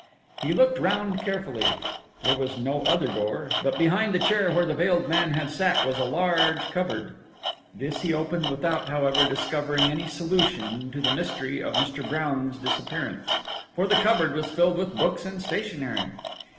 He looked round carefully. There was no other door, but behind the chair where the veiled man had sat was a large cupboard. This he opened without, however, discovering any solution to the mystery of Mr. Brown's disappearance, for the cupboard was filled with books and stationery.